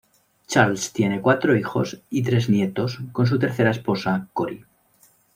Charles tiene cuatro hijos y tres nietos con su tercera esposa, Cory.